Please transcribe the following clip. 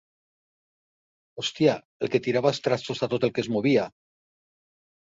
Hòstia, el que tirava els trastos a tot el que es movia.